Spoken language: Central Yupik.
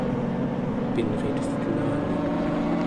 pinritevkenani